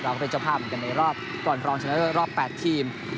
ก็เป็นเจ้าภาพเหมือนกันในรอบก่อนรองชนะเลิศรอบ๘ทีม